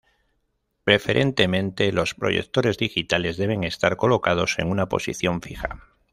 Preferentemente, los proyectores digitales deben estar colocados en una posición fija.